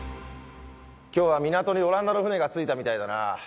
今日は港にオランダの船が着いたみたいだな。